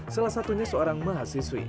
salah satunya seorang mahasiswi